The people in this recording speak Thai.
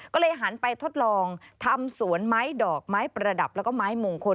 ก็เลยหันไปทดลองทำสวนไม้ดอกไม้ประดับแล้วก็ไม้มงคล